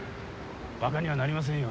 ばかにはなりませんよ